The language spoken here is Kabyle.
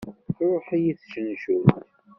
Truḥ-iyi tcencult.